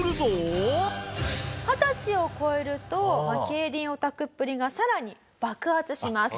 二十歳を超えると競輪オタクっぷりがさらに爆発します。